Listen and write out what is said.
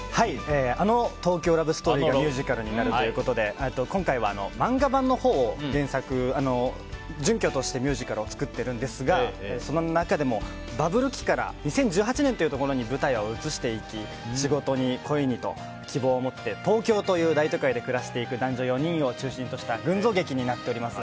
あの「東京ラブストーリー」がミュージカルになるということで今回は、漫画版のほうを原作に準拠としてミュージカルを作っているんですが、その中でもバブル期から２０１８年というところに舞台を移して、仕事に恋にと希望を持って東京という大都会で暮らしていく男女４人を中心とした群像劇になっております。